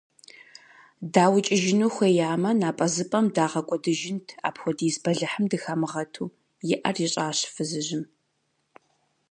ДаукӀыжыну хуеямэ, напӀэзыпӀэм дагъэкӀуэдыжынт, апхуэдиз бэлыхьым дыхамыгъэту, – и Ӏэр ищӀащ фызыжьым.